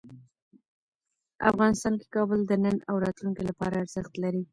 افغانستان کې کابل د نن او راتلونکي لپاره ارزښت لري.